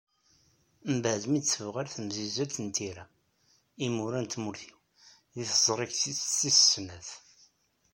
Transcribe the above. Mbeɛd mi i d-tuɣal temsizzelt n tira "Imura n tmurt-iw" deg teẓrigt-is tis snat.